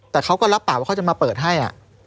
แต่เขาก็รับปากว่าเขาจะมาเปิดให้